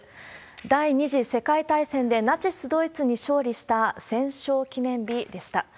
第２次世界大戦でナチスドイツに勝利した、戦勝記念日でした。